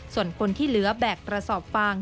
ส่วนคนที่เหลือแบกกระสอบฟาง